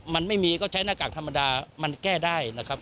มันไม่มีก็ใช้หน้ากากธรรมดามันแก้ได้นะครับ